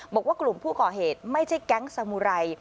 บอกว่ากลุ่มผู้ก่อเหตุไม่ใช่แก๊งสมุไร